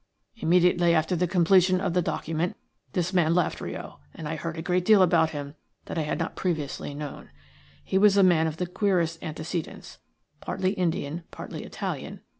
Immediately after the completion of the document this man left Rio, and I then heard a great deal about him that I had not previously known. He was a man of the queerest antecedents, partly Indian, partly Italian.